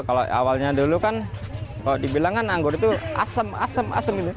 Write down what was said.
kalau awalnya dulu kan dibilang kan anggur itu asem asem asem gitu